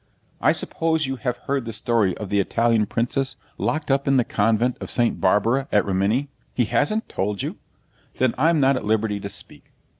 I suppose you have heard the story of the Italian princess locked up in the Convent of Saint Barbara, at Rimini? He hasn't told you? Then I'm not at liberty to speak.